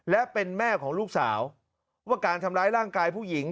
และเป็นแม่ของลูกสาวว่าการทำร้ายร่างกายผู้หญิง